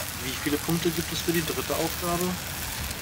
Wie viele Punkte gibt es für die dritte Aufgabe?